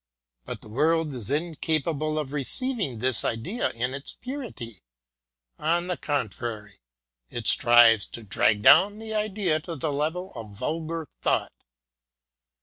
But the world is incapable of receiving this Idea in its purity; on the contrary, it strives to drag down the Idea to the level of vulgar thought.